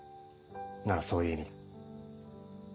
ならそういう意味だ。